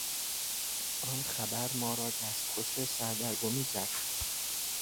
آن خبر ما را دستخوش سردرگمی کرد.